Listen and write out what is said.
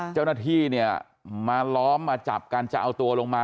เจ้าหน้าที่เนี่ยมาล้อมมาจับกันจะเอาตัวลงมา